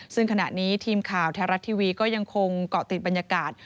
ซึ่งขณะนี้ทีมข่าวไทยรัฐทีวีก็ยังคงเกาะติดบรรยากาศ